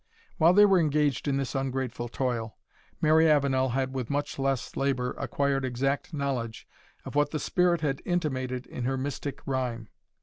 While they were engaged in this ungrateful toil, Mary Avenel had with much less labour acquired exact knowledge of what the Spirit had intimated in her mystic rhyme.